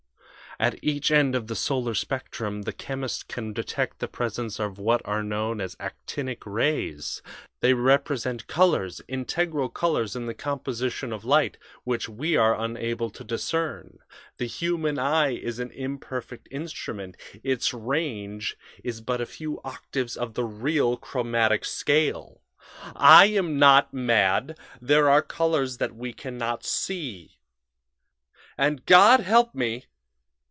At each end of the solar spectrum the chemist can detect the presence of what are known as 'actinic' rays. They represent colors integral colors in the composition of light which we are unable to discern. The human eye is an imperfect instrument; its range is but a few octaves of the real 'chromatic scale' I am not mad; there are colors that we can not see. "And, God help me!